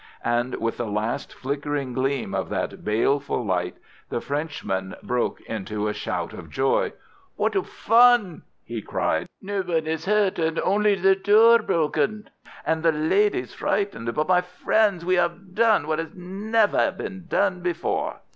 And with the last flickering gleam of that baleful light the Frenchman broke into a shout of joy. "What a fun!" he cried. "No one is hurt, and only the door broken, and the ladies frightened. But, my friends, we have done what has never been done before."